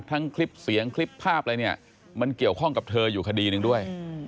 คลิปเสียงคลิปภาพอะไรเนี่ยมันเกี่ยวข้องกับเธออยู่คดีหนึ่งด้วย